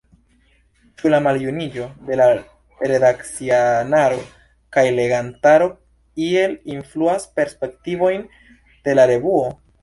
Ĉu la maljuniĝo de la redakcianaro kaj legantaro iel influas perspektivojn de la revuo?